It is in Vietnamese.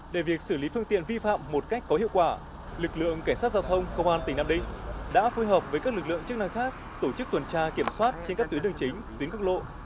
để việc xử lý phương tiện vi phạm một cách có hiệu quả lực lượng cảnh sát giao thông công an tỉnh nam định đã phối hợp với các lực lượng chức năng khác tổ chức tuần tra kiểm soát trên các tuyến đường chính tuyến cước lộ